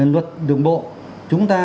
luật đường bộ chúng ta